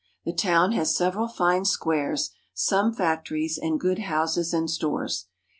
The town has several fine squares, some factories, and good houses and stores.